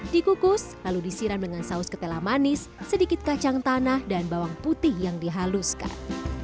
dikukus lalu disiram dengan saus ketela manis sedikit kacang tanah dan bawang putih yang dihaluskan